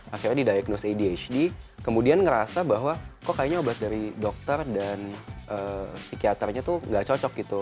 akhirnya di diagnose adhd kemudian ngerasa bahwa kok kayaknya obat dari dokter dan psikiaternya tuh gak cocok gitu